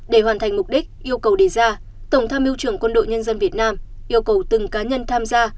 để hoàn thành mục đích yêu cầu đề ra tổng tham mưu trưởng quân đội nhân dân việt nam yêu cầu từng cá nhân tham gia